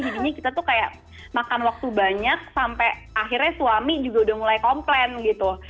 jadi ini kita tuh kayak makan waktu banyak sampai akhirnya suami juga udah mulai komplain gitu